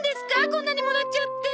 こんなにもらっちゃって。